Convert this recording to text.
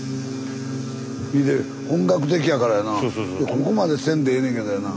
ここまでせんでええねんけどやな。